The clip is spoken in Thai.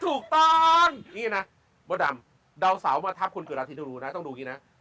ถูกต้องอย่างนี้นะมดดำดาวเสามาทับคนเกิดราศีธนูนะต้องดูอย่างนี้นะ